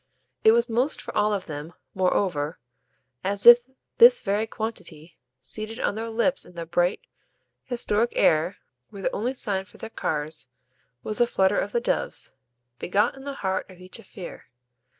It was most of all for them, moreover, as if this very quantity, seated on their lips in the bright historic air, where the only sign for their cars was the flutter of the doves, begot in the heart of each a fear.